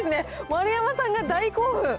丸山さんが大興奮。